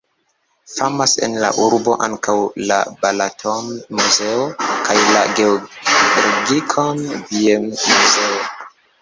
Famas en la urbo ankaŭ la Balaton-muzeo kaj la Georgikon-bienmuzeo.